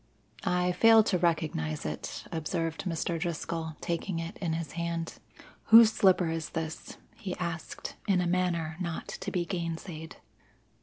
"I fail to recognize it," observed Mr. Driscoll, taking it in his hand. "Whose slipper is this?" he asked in a manner not to be gainsaid.